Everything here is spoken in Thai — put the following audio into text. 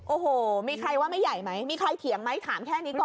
โอ้โหมีใครว่าไม่ใหญ่ไหมมีใครเถียงไหมถามแค่นี้ก่อน